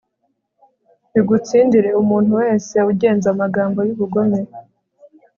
bigutsindire umuntu wese ugenza amagambo y'ubugome